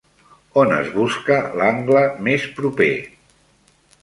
On es busca l'angle més proper?